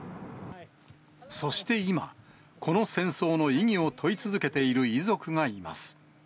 そして今、この戦争の意義を問い続けている遺族がいます。